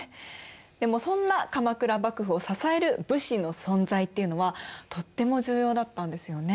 でもそんな鎌倉幕府を支える武士の存在っていうのはとっても重要だったんですよね。